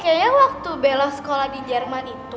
kayaknya waktu belok sekolah di jerman itu